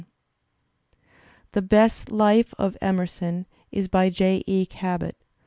The best "Life " of Emerson is by J. E. Cabot.